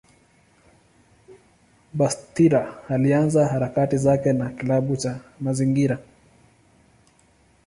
Bastida alianza harakati zake na kilabu cha mazingira.